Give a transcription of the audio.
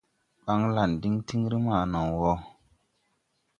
Ɓanlan diŋ tiŋri ma naw wɔ.